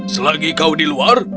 selagi kau di luar